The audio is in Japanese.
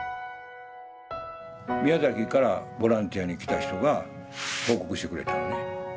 宮崎からボランティアに来た人が報告してくれたのね。